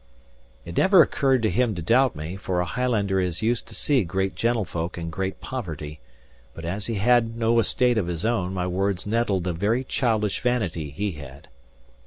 It never occurred to him to doubt me, for a Highlander is used to see great gentlefolk in great poverty; but as he had no estate of his own, my words nettled a very childish vanity he had.